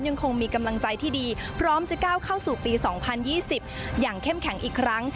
ยังคงมีกำลังใจที่ดีพร้อมจะก้าวเข้าสู่ปี๒๐๒๐อย่างเข้มแข็งอีกครั้ง